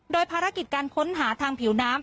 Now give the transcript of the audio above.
โดยภารกิจการค้นหาทางผิวน้ำ